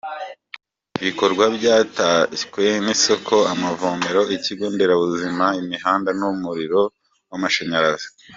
Ibi bikorwa byatashywe ni isoko, amavomero, ikigo nderabuzima, imihanda n’umuriro w’amashanyarazi.